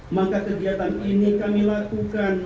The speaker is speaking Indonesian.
maka kegiatan ini kami lakukan